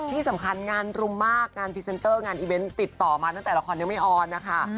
ที่สำคัญงานรุมมากงานพรีเซนเตอร์งานอีเวนต์ติดต่อมาตั้งแต่ละครยังไม่ออนนะคะ